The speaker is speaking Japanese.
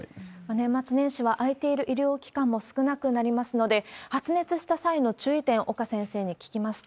年末年始は開いている医療機関も少なくなりますので、発熱した際の注意点、岡先生に聞きました。